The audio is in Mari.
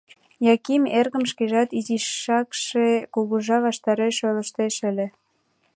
Яким эргым шкежат изишакше кугыжа ваштареш ойлыштеш ыле.